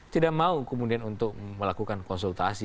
tidak mau kemudian untuk melakukan konsultasi